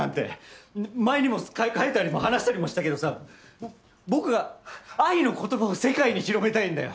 前にも書いたりも話したりもしたけどさ僕は愛の言葉を世界に広めたいんだよ。